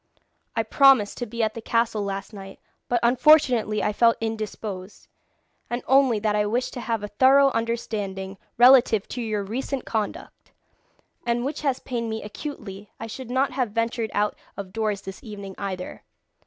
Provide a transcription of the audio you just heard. I promised to be at the castle last night, but unfortunately I felt indisposed, and only that I wished to have a thorough understanding relative to your recent conduct, and which has pained me acutely, I should not have ventured out of doors this evening either.